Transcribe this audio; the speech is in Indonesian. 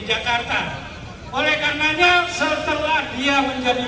aku tahu ada satu orang yang exhale